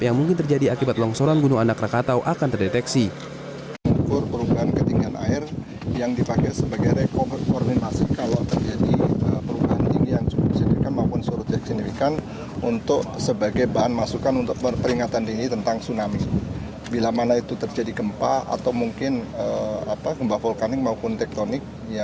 yang mungkin terjadi akibat longsoran gunung anak rakatau akan terdeteksi